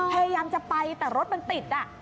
พยายามจะไปแต่รถมันติด